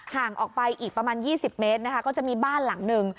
ห่างออกไปอีกประมาณ๒๐เมตรนะคะก็จะมีบ้านหลังหนึ่ง